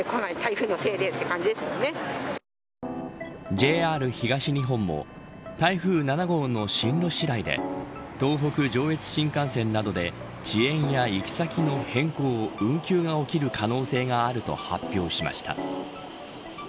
ＪＲ東日本も台風７号の進路次第で東北、上越新幹線などで遅延や行き先の変更、運休が起きる可能性があると発表しました。